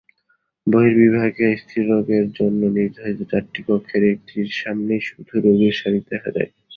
বহির্বিভাগে স্ত্রীরোগের জন্য নির্ধারিত চারটি কক্ষের একটির সামনেই শুধু রোগীর সারি দেখা যায়।